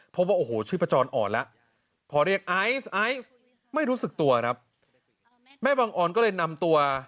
พบว่าโอ้โหชีพจรอ่อนแล้วพอเรียกไอซ์ไอซ์ไม่รู้สึกตัวครับแม่บังออนก็เลยนำตัว